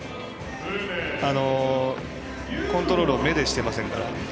コントロールを目でしてませんから。